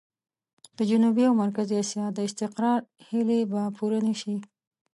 د جنوبي او مرکزي اسيا د استقرار هيلې به پوره نه شي.